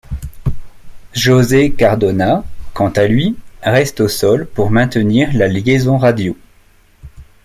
Jose Cardona, quant à lui, reste au sol pour maintenir la liaison radio.